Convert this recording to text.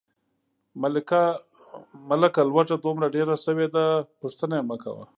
ملکه لوږه دومره ډېره شوې ده، پوښتنه یې مکوه.